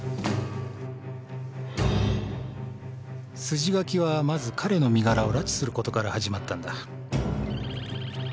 筋書きはまず彼の身柄を拉致することから始まったんだ。